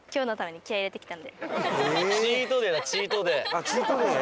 あっチートデイ？